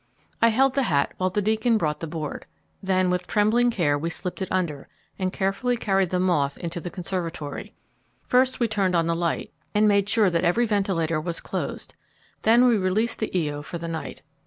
I held the hat while the Deacon brought the board. Then with trembling care we slipped it under, and carefully carried the moth into the conservatory. First we turned on the light, and made sure that every ventilator was closed; then we released the Io for the night.